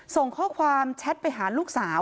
ส่งข้อความแชทไปหาลูกสาว